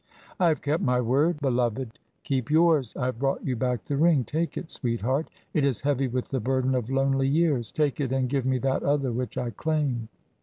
I have kept my word, beloved. Keep yours I have brought you back the ring. Take it, sweetheart. It is heavy with the burden of lonely years. Take it and give me that other which I claim."